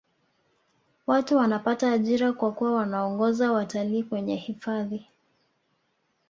watu wanapata ajira kwa kuwa waongoza watalii kwenye hifadhi